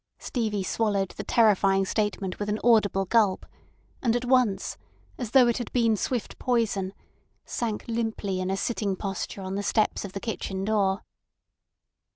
Stevie swallowed the terrifying statement with an audible gulp, and at once, as though it had been swift poison, sank limply in a sitting posture on the steps of the kitchen door.